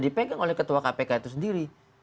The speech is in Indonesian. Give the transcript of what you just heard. dipegang oleh ketua kpk itu sendiri